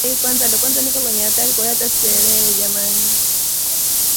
Wengine waliwahonga maafisa wa serikali wakanunua vyeti vilivyothibitisha